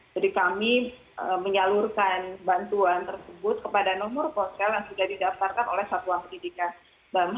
jadi kami menyalurkan bantuan tersebut kepada nomor ponsel yang sudah didaftarkan oleh satuan pendidikan